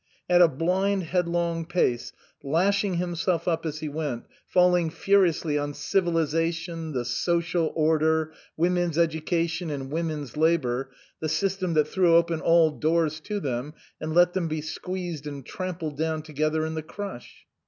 At a blind headlong pace, lashing himself up as he went, falling furiously on civilization, the social order, women's education and women's labour, the system that threw open all doors to them, and let them be squeezed and trampled down together in the crush.